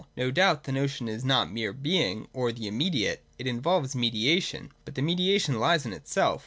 No doubt the notion is not mere Being, or the immediate : it involves mediation, but the mediation lies in itself.